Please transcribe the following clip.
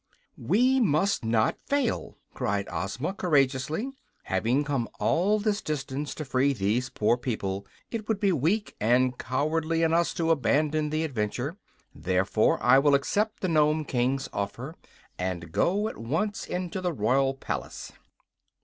"We must not fail!" cried Ozma, courageously. "Having come all this distance to free these poor people, it would be weak and cowardly in us to abandon the adventure. Therefore I will accept the Nome King's offer, and go at once into the royal palace."